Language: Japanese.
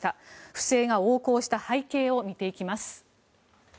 不正が横行した背景を見ていきます。